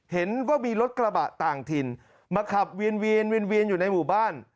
เห็นว่ามีรถกระบะต่างถิ่นมาขับเวียนอยู่ในหมู่บ้าน